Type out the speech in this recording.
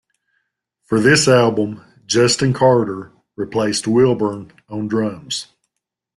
For this album, Justin Carder replaced Wilburn on drums.